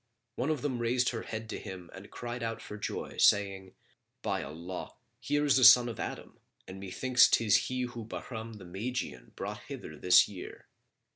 One of them raised her head to him and cried out for joy saying, "By Allah, here is a son of Adam, and methinks 'tis he whom Bahram the Magian brought hither this year!"